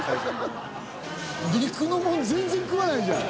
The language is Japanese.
陸のもん全然食わないじゃん。